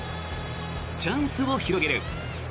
チャンスを広げる。